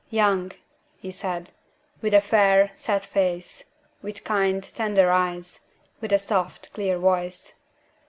"Young," he said; "with a fair, sad face with kind, tender eyes with a soft, clear voice.